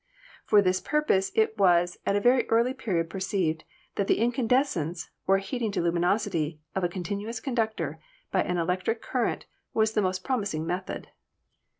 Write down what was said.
For this purpose it was at a very early period perceived that the incandescence, or heating to luminosity, of a continuous conductor by an electric cur rent was the most promising method.